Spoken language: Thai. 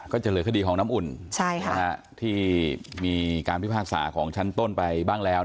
ก็จะเหลือคดีของน้ำอุ่นที่มีการพิพากษาของชั้นต้นไปบ้างแล้ว